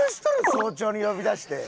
早朝に呼び出して。